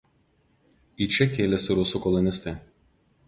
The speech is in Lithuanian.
Į čia kėlėsi rusų kolonistai.